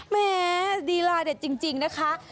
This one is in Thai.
แหม่ดีลาเด็ดจริงนะคะ